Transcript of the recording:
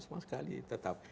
saya sama sekali tetap